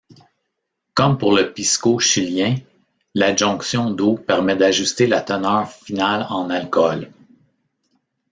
Comme pour le Pisco chilien, l'adjonction d'eau permet d'ajuster la teneur finale en alcool.